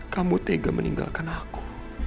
kamu tega meninggalkan aku